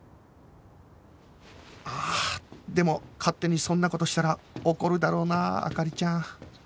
ああでも勝手にそんな事したら怒るだろうな灯ちゃん